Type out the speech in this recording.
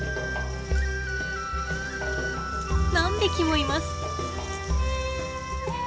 何匹もいます。